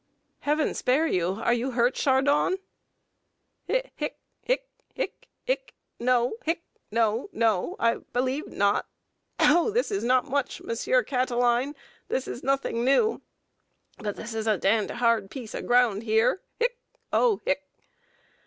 'Heaven spare you! are you hurt, Chardon?' 'Hi hic hic hic hic no; hic no no, I believe not. Oh, this is not much, Mons. Cataline this is nothing new but this is a d d hard piece of ground here hic oh! hic!'